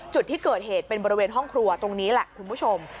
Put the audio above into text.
จุดที่เกิดเหตุเป็นบริเวณห้องครัวตรงนี้แหละคุณผู้ชม